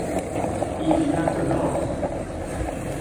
Il y a de l’or.